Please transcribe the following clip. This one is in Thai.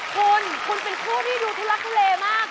คุณคุณเป็นคู่ที่อยู่ที่รักทะเลมาก